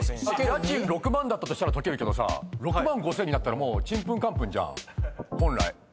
家賃６万だったとしたら解けるけど６万５，０００になったらもうちんぷんかんぷんじゃん。